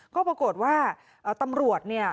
ก็ปรากฏว่าตำรวจเนี่ย